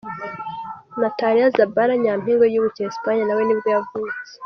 Natalia Zabala, nyampinga w’igihugu cya Espagne wa nibwo yavutse.